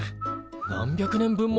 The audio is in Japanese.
何百年分も！